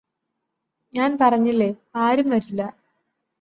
ഞാന് പറഞ്ഞില്ലേ ആരും വരില്ലാ